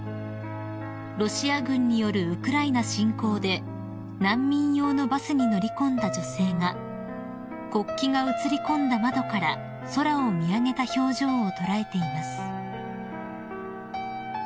［ロシア軍によるウクライナ侵攻で難民用のバスに乗り込んだ女性が国旗が映り込んだ窓から空を見上げた表情を捉えています］